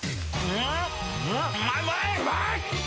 うまい！！